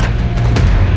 aku mau pergi ke rumah